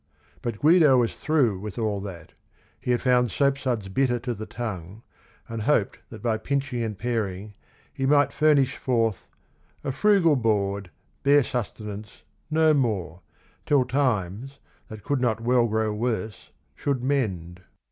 But Guido was through with all that; he had found soapsuds bitter to the tongue and hoped that by pinching and paring, he might furnish forth {'A frugal board, bare sustenance, no more, Till times, that could not well grow worse, should mend."